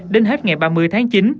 đến hết ngày ba mươi tháng chín